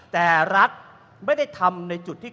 แต่รัฐไม่ได้ทำในจุดที่